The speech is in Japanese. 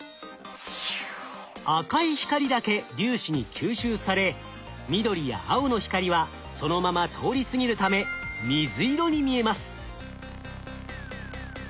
赤い光だけ粒子に吸収され緑や青の光はそのまま通り過ぎるため水色に見えます。